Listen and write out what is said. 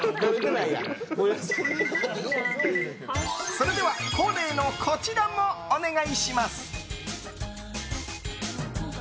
それでは恒例のこちらもお願いします。